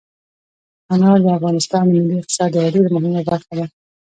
انار د افغانستان د ملي اقتصاد یوه ډېره مهمه برخه ده.